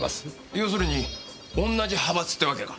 要するに同じ派閥ってわけか。